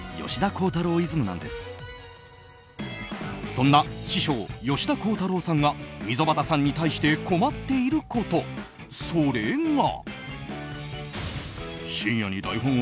そんな師匠・吉田鋼太郎さんが溝端さんに対して困っていることそれが。